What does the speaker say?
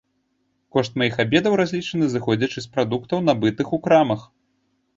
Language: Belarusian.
Кошт маіх абедаў разлічаны, зыходзячы з прадуктаў, набытых у крамах.